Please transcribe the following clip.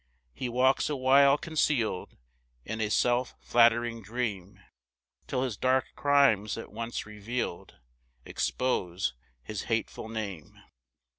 2 [He walks awhile conceal'd In a self flattering dream, Till his dark crimes at once reveal'd Expose his hateful name.